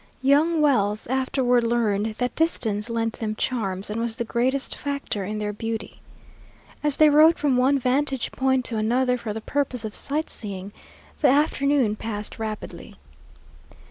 Young Wells afterward learned that distance lent them charms and was the greatest factor in their beauty. As they rode from one vantage point to another for the purpose of sight seeing, the afternoon passed rapidly.